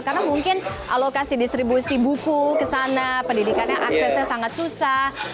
karena mungkin alokasi distribusi buku ke sana pendidikannya aksesnya sangat susah